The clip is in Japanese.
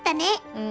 うん。